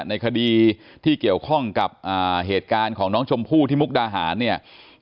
ในคดีที่เกี่ยวข้องกับเหตุการณ์ของน้องชมพู่ที่มุกดาหารเนี่ย